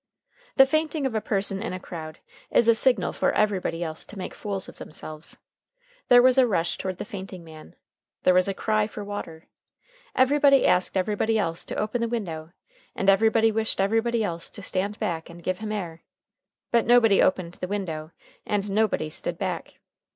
The fainting of a person in a crowd is a signal for everybody else to make fools of themselves. There was a rush toward the fainting man, there was a cry for water. Everybody asked everybody else to open the window, and everybody wished everybody else to stand back and give him air. But nobody opened the window, and nobody stood back.